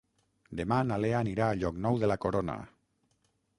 Demà na Lea anirà a Llocnou de la Corona.